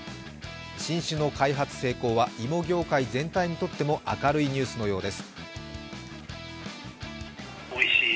新種の開発成功は、芋業界全体にとっても明るいニュースのようです。